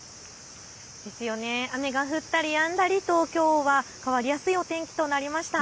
雨が降ったりやんだりときょうは変わりやすいお天気となりました。